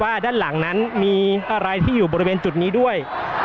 ด้านหลังนั้นมีอะไรที่อยู่บริเวณจุดนี้ด้วย